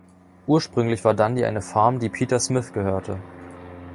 Ursprünglich war Dundee eine Farm, die Peter Smith gehörte.